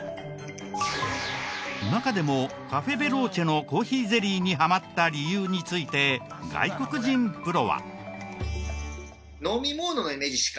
中でもカフェ・ベローチェのコーヒーゼリーにハマった理由について外国人プロは。